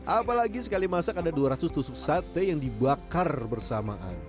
apalagi sekali masak ada dua ratus tusuk sate yang dibakar bersamaan